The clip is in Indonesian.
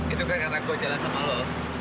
itu kan karena gue jalan sama lo